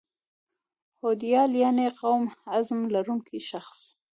هوډیال یعني قوي عظم لرونکی شخص